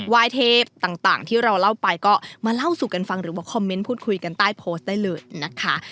วายเทพต่างที่เราเล่าไปก็มาเล่าสู่กันฟังหรือว่าคอมเมนต์พูดคุยกันใต้โพสต์ได้เลยนะคะ